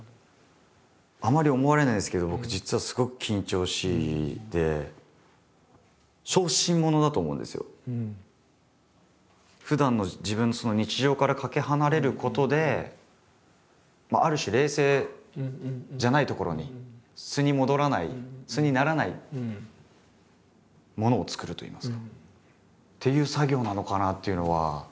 あんまり思われないんですけど僕実はふだんの自分の日常からかけ離れることである種冷静じゃないところに素に戻らない素にならないものを作るといいますか。っていう作業なのかなというのは。